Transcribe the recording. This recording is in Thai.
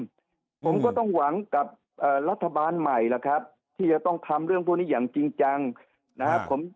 ผมก็ต้องหวังกับรัฐบาลใหม่ล่ะครับที่จะต้องทำเรื่องพวกนี้อย่างจริงจังนะครับ